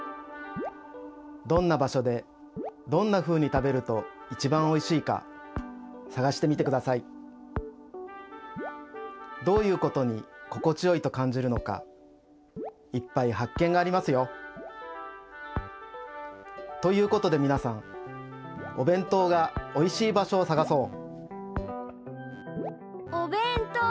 どんな場所でどんなふうに食べるといちばんおいしいかさがしてみてください！どういうことに心地よいとかんじるのかいっぱい発見がありますよ。ということでみなさんおべんとうがおいしい場所をさがそう！